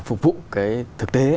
phục vụ cái thực tế